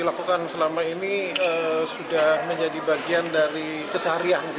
yang dilakukan selama ini sudah menjadi bagian dari kesaharian